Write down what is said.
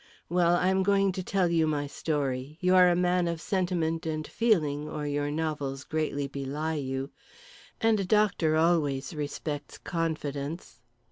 Well, I am going to tell you my story. You are a man of sentiment and feeling, or your novels greatly belie you. And a doctor always respects confidence.